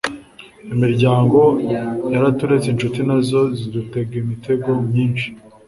Imiryango yaraturetse inshuti nazo zidutega imitego myinshi